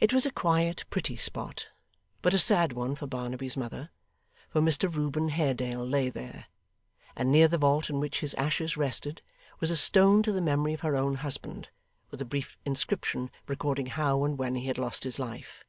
It was a quiet pretty spot, but a sad one for Barnaby's mother; for Mr Reuben Haredale lay there, and near the vault in which his ashes rested, was a stone to the memory of her own husband, with a brief inscription recording how and when he had lost his life.